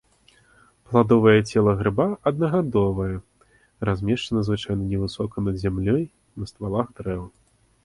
Пладовае цела грыба аднагадовае, размешчана звычайна невысока над зямлёй на ствалах дрэў.